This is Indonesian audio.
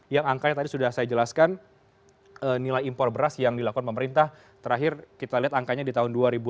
yang angkanya tadi sudah saya jelaskan nilai impor beras yang dilakukan pemerintah terakhir kita lihat angkanya di tahun dua ribu enam belas